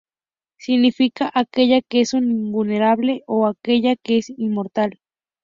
Significa "Aquella que es invulnerable" o "Aquella que es inmortal".